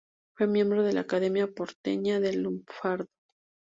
Fue miembro de la Academia Porteña del Lunfardo.